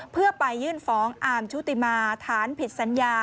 เพื่อไปยื่นฟ้องอาร์มชุติมาฐานผิดสัญญา